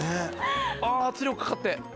ああ圧力かかって。